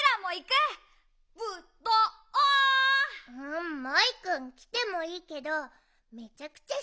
んモイくんきてもいいけどめちゃくちゃしないでよ。